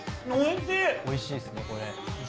おいしいっすねこれ。